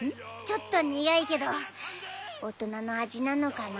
ちょっと苦いけど大人の味なのかな。